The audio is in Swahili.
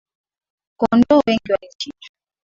Kondoo wengi walichinjwa